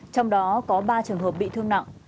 trong đó có ba trường hợp bị thương nặng